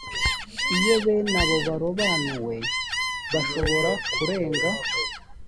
iyo bene abo barobanuwe bashobora kurenga